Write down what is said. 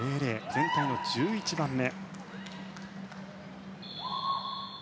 全体の１１番目。